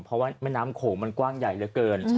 เพราะว่าแม่น้ำโขงมันกว้างใหญ่เหลือเกิน